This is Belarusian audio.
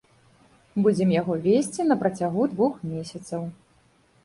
Будзем яго весці на працягу двух месяцаў.